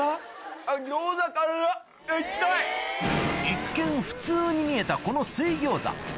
一見普通に見えたこの水餃子